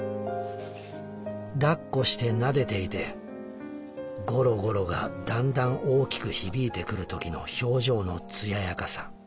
抱っこして撫でていてゴロゴロがだんだん大きく響いてくる時の表情の艶やかさ」。